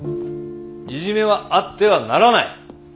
いじめはあってはならない。